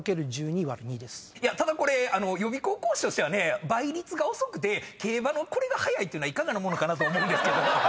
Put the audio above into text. ただこれ予備校講師としてはね倍率が遅くて競馬のこれが早いっていうのはいかがなものかと思うんですけど。